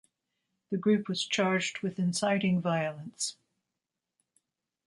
The group was charged with inciting violence.